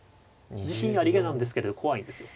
自信ありげなんですけど怖いんですよ。